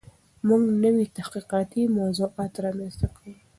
موږ نوي تحقیقاتي موضوعات رامنځته کوو.